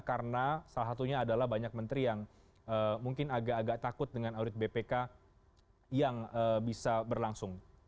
karena salah satunya adalah banyak menteri yang mungkin agak agak takut dengan audit bpk yang bisa berlangsung